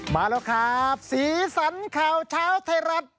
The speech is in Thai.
มาแล้วครับสีสันข่าวเช้าไทยรัฐ